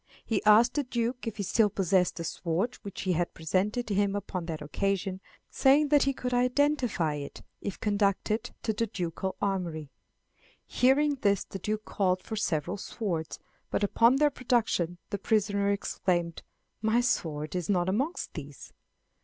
He asked the Duke if he still possessed the sword which he had presented him upon that occasion, saying that he could identify it if conducted to the ducal armoury. Hearing this the Duke called for several swords, but upon their production the prisoner exclaimed, "My sword is not amongst these!"